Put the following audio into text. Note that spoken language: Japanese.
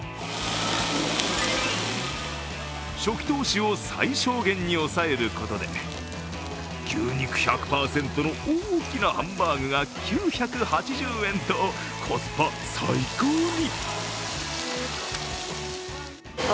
初期投資を最小限に抑えることで牛肉１００％の大きなハンバーグが９８０円とコスパ最高に。